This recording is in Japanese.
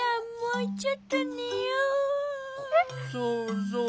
そうそう。